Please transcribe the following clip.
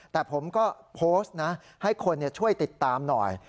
แต่ผมก็โพสต์นะให้คนช่วยติดตามหน่อย